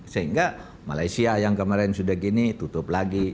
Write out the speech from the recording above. sehingga malaysia yang kemarin sudah gini tutup lagi